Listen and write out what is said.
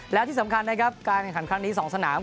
และที่สำคัญนะครับการแข่งขันครั้งนี้๒สนาม